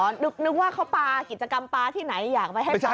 นึกว่าเขาปลากิจกรรมปลาที่ไหนอยากไปให้ปลา